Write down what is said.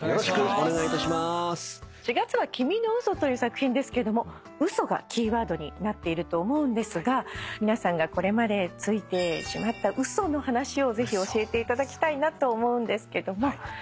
『四月は君の嘘』という作品ですけども「嘘」がキーワードになっていると思うんですが皆さんがこれまでついてしまった嘘の話をぜひ教えていただきたいなと思うんですけども。